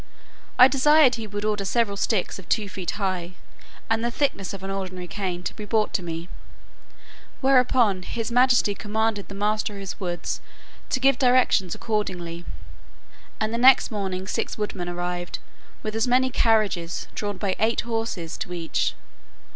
I desired he would order several sticks of two feet high, and the thickness of an ordinary cane, to be brought me; whereupon his majesty commanded the master of his woods to give directions accordingly; and the next morning six woodmen arrived with as many carriages, drawn by eight horses to each.